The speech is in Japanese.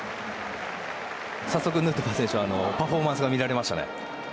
早速ヌートバー選手パフォーマンスが見られましたね。